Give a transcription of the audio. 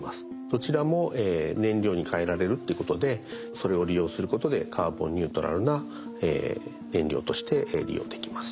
どちらも燃料に変えられるってことでそれを利用することでカーボンニュートラルな燃料として利用できます。